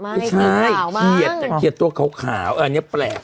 ไม่ใช่เขียดตัวขาวอันนี้แปลก